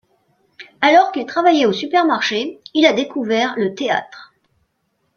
Alors qu'il travaillait au supermarché, il a découvert le théâtre.